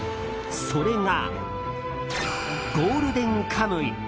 それが「ゴールデンカムイ」。